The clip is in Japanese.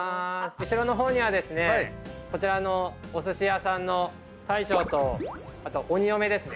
後ろのほうにはですねこちらのおすし屋さんの大将とあと鬼嫁ですね。